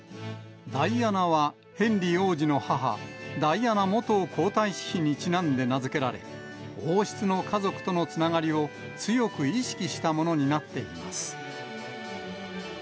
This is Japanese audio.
ダイアナは、ヘンリー王子の母、ダイアナ元皇太子妃にちなんで名付けられ、王室の家族とのつながりを強く意識したものになっています。